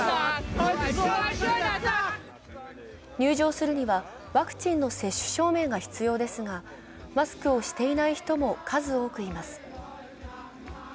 入場するにはワクチンの接種証明が必要ですがマスクをしていない人も数多くいます。